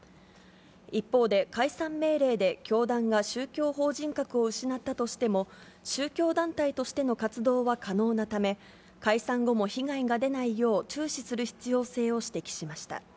一方で、解散命令で教団が宗教法人格を失ったとしても宗教団体としての活動は可能なため、解散後も被害が出ないよう注視する必要性を指摘しました。